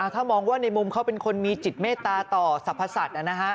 ถ้ามองว่าในมุมเขาเป็นคนมีจิตเมตตาต่อสรรพสัตว์